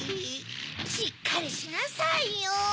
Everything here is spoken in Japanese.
しっかりしなさいよ！